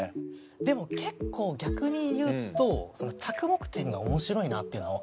でも結構逆に言うと着目点が面白いなっていうのはありましたね。